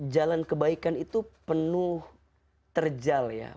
jalan kebaikan itu penuh terjal ya